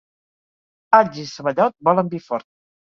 Alls i ceballot volen vi fort.